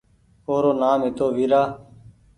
او رو نآم هتو ويرا